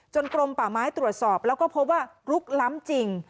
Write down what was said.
กรมป่าไม้ตรวจสอบแล้วก็พบว่าลุกล้ำจริง